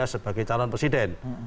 sebagai calon presiden